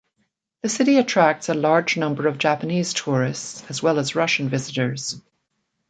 The city attracts a large number of Japanese tourists as well as Russian visitors.